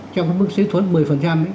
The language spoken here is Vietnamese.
trong cái mức xuất thuận một mươi ấy